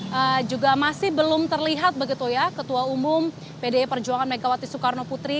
yang juga masih belum terlihat begitu ya ketua umum pdi perjuangan megawati soekarno putri